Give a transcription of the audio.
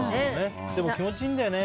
でも、気持ちいいんだよね。